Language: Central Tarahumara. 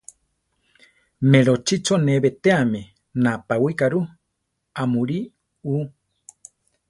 Merochí cho ne betéame, napawika ru; amúri ú.